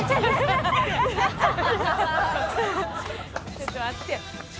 ちょっと待って。